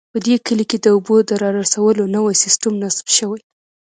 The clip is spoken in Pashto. په دې کلي کې د اوبو د رارسولو نوی سیسټم نصب شوی